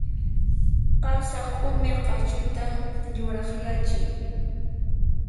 Qasa q'umir q'achuta yurakyachin.